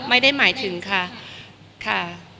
ไม่ได้หมายถึงค่ะค่ะ